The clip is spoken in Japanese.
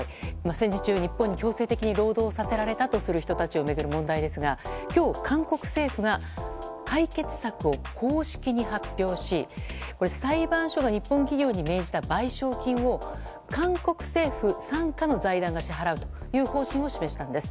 戦時中、日本に強制的に労働させられたとする人たちを巡る問題ですが今日、韓国政府が解決策を公式に発表し裁判所が日本企業に命じた賠償金を韓国政府傘下の財団が支払うという方針を示したんです。